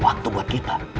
bum waktu buat kita